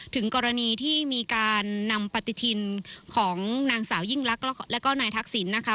ถึงกรณีที่มีการนำปฏิทินของนางสาวยิ่งลักษณ์แล้วก็นายทักษิณนะคะ